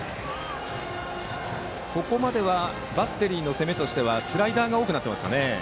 ここまではバッテリーの攻めとしてはスライダーが多くなってますかね。